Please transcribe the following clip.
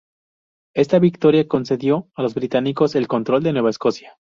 Esta victoria concedió a los británicos el control de Nueva Escocia.